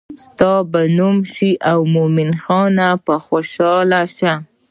ستا به نوم شي او مومن خان به خوشحاله شي.